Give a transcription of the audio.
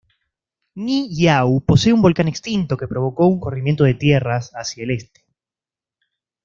Niʻihau posee un volcán extinto que provocó un corrimiento de tierras hacia el este.